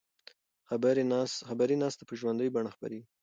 خبري ناسته په ژوندۍ بڼه خپریږي.